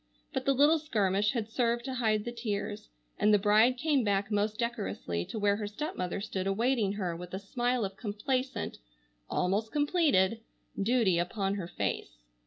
But the little skirmish had served to hide the tears, and the bride came back most decorously to where her stepmother stood awaiting her with a smile of complacent—almost completed—duty upon her face.